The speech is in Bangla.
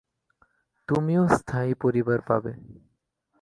তুমিও স্থায়ী পরিবার পাবে।